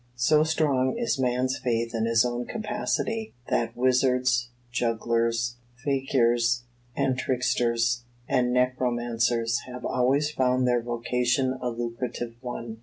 So strong is man's faith in his own capacity, that wizards, jugglers, fakirs and tricksters, and necromancers have always found their vocation a lucrative one.